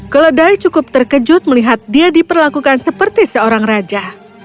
keledai cukup terkejut melihat dia diperlakukan seperti seorang raja